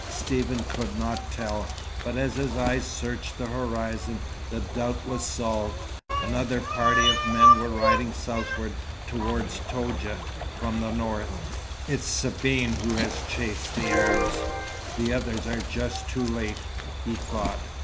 Stephen could not tell; but as his eyes searched the horizon, the doubt was solved. Another party of men were riding southward, toward Toudja, from the north. "It's Sabine who has chased the Arabs. The others are just too late," he thought.